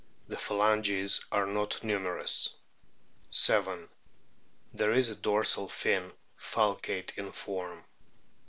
The phalanges are not numerous. 7. There is a dorsal fin, falcate in form.